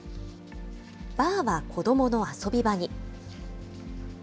バーは子どもの遊び場に。